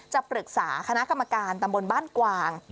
ปรึกษาคณะกรรมการตำบลบ้านกวาง